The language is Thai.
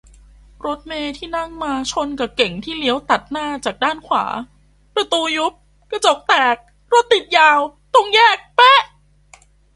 รถเมล์ที่นั่งมาชนกะรถเก๋งที่เลี้ยวตัดหน้าจากด้านขวา ประตูยุบ กระจกแตก รถติดยาว ตรงแยกเป๊ะ